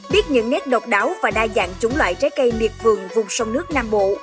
biết những nét độc đáo và đa dạng chủng loại trái cây miệt vườn vùng sông nước nam bộ